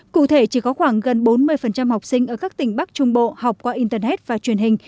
cụ thể chỉ có khoảng gần bốn mươi học sinh ở các tỉnh bắc trung bộ học qua internet và truyền hình